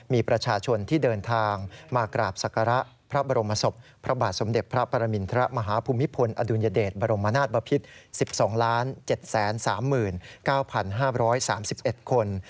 มีประชาชนที่เดินทางมากราบศักระพระบรมศพพระบาทสมเด็จพระปรมินทรมาฮภูมิพลอดุลยเดชบรมนาศบพิษ๑๒๗๓๙๕๓๑คน